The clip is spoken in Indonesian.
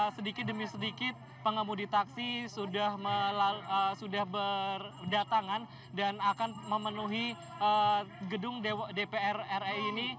sedikit demi sedikit pengemudi taksi sudah berdatangan dan akan memenuhi gedung dpr ri ini